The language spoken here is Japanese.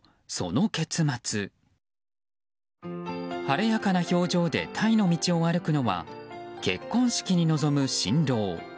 晴れやかな表情でタイの道を歩くのは結婚式に臨む新郎。